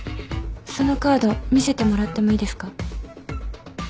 そのカード見せてもらってもいいですか？